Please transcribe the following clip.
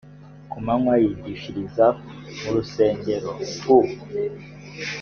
ku manywa yigishirizaga mu rusengero . u